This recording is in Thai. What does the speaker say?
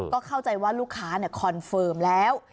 ก็เข้าใจว่าลูกค้าคอนเฟิร์มแล้ว